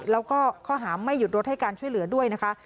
แล้วก็ข้อหาไม่หยุดรถให้การช่วยเหลือด้วยนะคะ